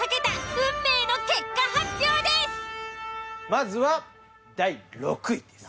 まずは第６位です。